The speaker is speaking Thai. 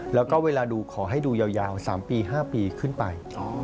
แล้วก็เวลาดูขอให้ดูยาว๓ปี๕ปีขึ้นไป